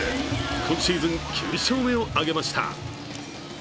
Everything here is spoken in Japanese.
今シーズン９勝目を挙げました。